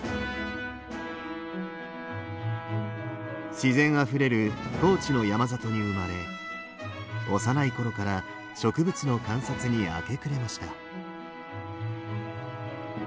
自然あふれる高知の山里に生まれ幼い頃から植物の観察に明け暮れました。